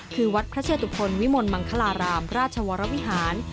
คือวัดพระเชตุพลวิมลมังคลารามราชวรวิหาร